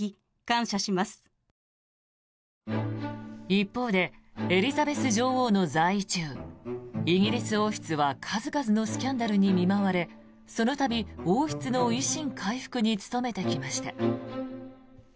一方でエリザベス女王の在位中イギリス王室は数々のスキャンダルに見舞われその度、王室の威信回復に努めてきました。